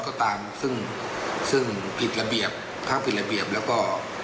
ก็ตามซึ่งผิดระเบียบทางแล้วก็